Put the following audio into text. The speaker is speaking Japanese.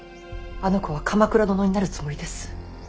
あの子は鎌倉殿になるつもりです。